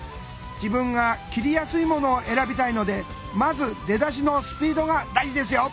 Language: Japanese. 自分が切りやすいものを選びたいのでまず出だしのスピードが大事ですよ。